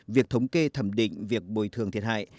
việc thống kê thẩm định việc bồi thường thiệt hại